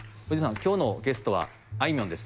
今日のゲストはあいみょんです。